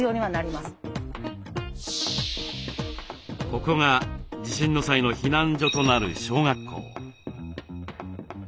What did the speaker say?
ここが地震の際の避難所となる小学校。